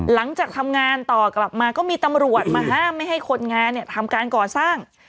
หลังจากทำงานต่อกลับมาก็มีตำรวจมาห้ามไม่ให้คนงานเนี่ยทำการก่อสร้าง